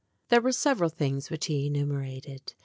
There were several things which he enumerated.